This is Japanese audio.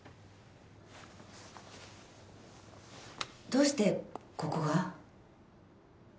どうしてここが？